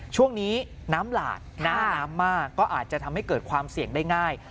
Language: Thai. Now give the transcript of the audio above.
ช่วงนี้น้ำหลากหน้าน้ำมากก็อาจจะทำให้เกิดความเสี่ยงได้ง่าย